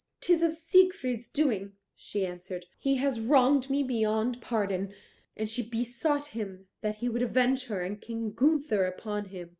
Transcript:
"'Tis of Siegfried's doing," she answered. "He has wronged me beyond pardon." And she besought him that he would avenge her and King Gunther upon him.